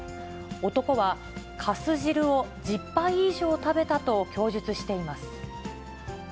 男は、かす汁を１０杯以上食べたと供述しています。